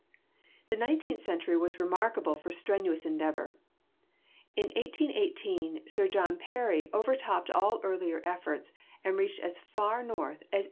The nineteenth century was remarkable for strenuous endeavor. In 1818 Sir John Parry overtopped all earlier efforts, and reached as far north as 82